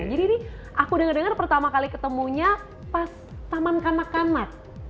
jadi ini aku dengar dengar pertama kali ketemunya pas taman kanak kanak